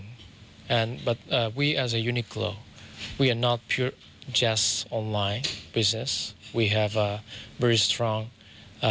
ควบคู่กับแผนเปิดสาขาเพิ่มอีก๓สาขาในไทยค่ะ